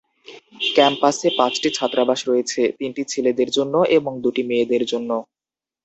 ক্যাম্পাসে পাঁচটি ছাত্রাবাস রয়েছে, তিনটি ছেলেদের জন্য এবং দুটি মেয়েদের জন্য।